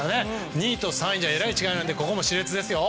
２位と３位じゃえらい違うのでここも熾烈ですよ。